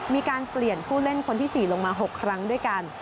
มีการเปลี่ยนผู้เล่นคนที่๔ลงมา๖ครั้งด้วยกัน